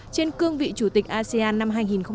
trên cương vị chủ tịch asean năm hai nghìn một mươi sáu